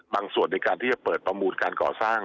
ส่วนในการที่จะเปิดประมูลการก่อสร้าง